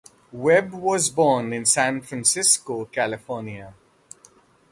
Webb was born in San Francisco, California.